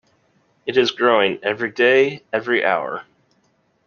It is growing, every day, every hour.